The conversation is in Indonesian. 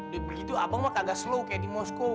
dari begitu abang mah kagak slow kayak di moskow